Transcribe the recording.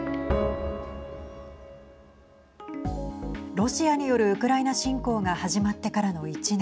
ロシアによるウクライナ侵攻が始まってからの１年。